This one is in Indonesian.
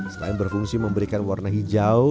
selain berfungsi memberikan warna hijau